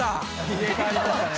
入れ替わりましたね。